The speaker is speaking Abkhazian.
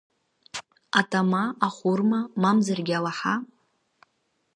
Атама, ахәырма, мамзаргьы алаҳа?!